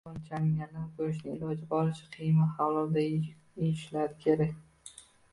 Kamqonlikka chalinganlar go‘shtni iloji boricha qiyma holida yeyishlari kerak.